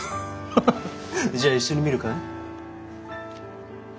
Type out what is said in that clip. へへじゃ一緒に見るかい？